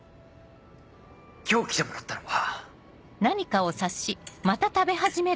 今日来てもらったのは。